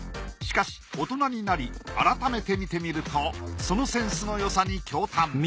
しかし大人になり改めて見てみるとそのセンスのよさに驚嘆